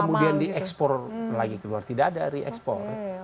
kemudian di ekspor lagi keluar tidak ada re export